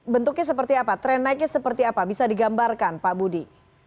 bentuknya seperti apa tren naiknya seperti apa bisa digambarkan pak budi